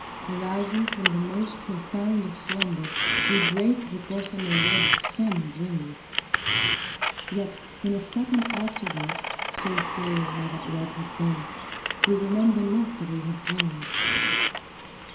Arousing from the most profound of slumbers, we break the gossamer web of some dream. Yet in a second afterward, (so frail may that web have been) we remember not that we have dreamed.